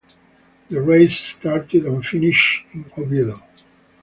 The race started and finished in Oviedo.